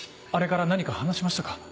あれから何か話しましたか？